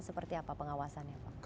seperti apa pengawasannya pak